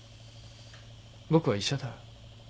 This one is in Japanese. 僕は医者だ。